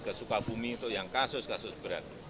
kesukaan bumi itu yang kasus kasus berat